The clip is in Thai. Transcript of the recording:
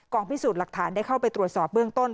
พิสูจน์หลักฐานได้เข้าไปตรวจสอบเบื้องต้น